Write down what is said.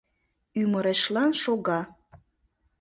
ӱмырешлан шога